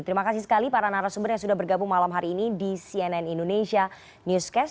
terima kasih sekali para narasumber yang sudah bergabung malam hari ini di cnn indonesia newscast